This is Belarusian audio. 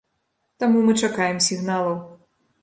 Таму мы чакаем сігналаў.